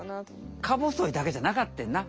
かぼそいだけじゃなかってんな。